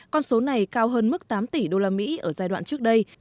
con số này cao hơn mức tám tỷ đô la mỹ ở giai đoạn trước đây